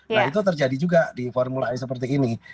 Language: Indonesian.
nah itu terjadi juga di formulanya seperti ini